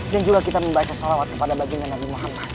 dan juga kita membaca salawat kepada baginda nabi muhammad